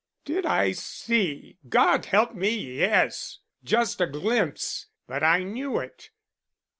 "Did I see God help me, yes. Just a glimpse, but I knew it.